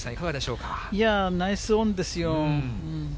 ナイスオンですよ。